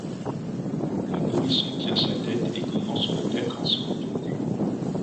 Le nourrisson tient sa tête et commence peut-être à se retourner.